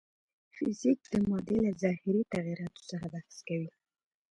فزیک د مادې له ظاهري تغیراتو څخه بحث کوي.